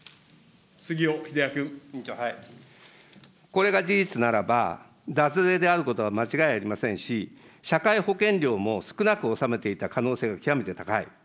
これが事実ならば、脱税であることは間違いありませんし、社会保険料も少なく納めていた可能性が極めて高い。